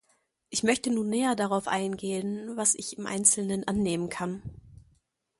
Ich möchte nun näher darauf eingehen, was ich im Einzelnen annehmen kann.